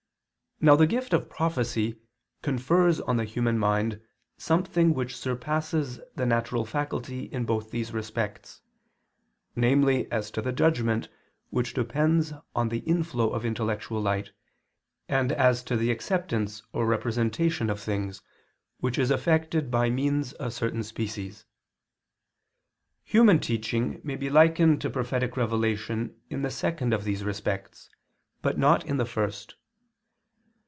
Now the gift of prophecy confers on the human mind something which surpasses the natural faculty in both these respects, namely as to the judgment which depends on the inflow of intellectual light, and as to the acceptance or representation of things, which is effected by means of certain species. Human teaching may be likened to prophetic revelation in the second of these respects, but not in the first.